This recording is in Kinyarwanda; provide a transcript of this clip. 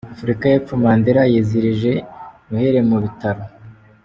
Afurika y’epfo Mandela yizihirije Noheli mu bitaro